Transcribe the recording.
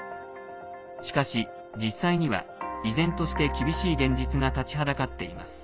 しかし、実際には依然として厳しい現実が立ちはだかっています。